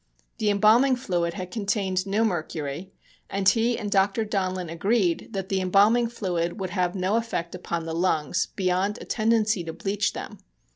The embalming fluid had contained no mercury, and he and Dr. Donlin agreed that the embalming fluid would have no effect upon the lungs beyond a tendency to bleach them.